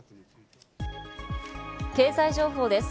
経済情報です。